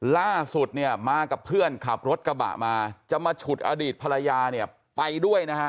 ล่าสุดเนี่ยมากับเพื่อนขับรถกระบะมาจะมาฉุดอดีตภรรยาเนี่ยไปด้วยนะฮะ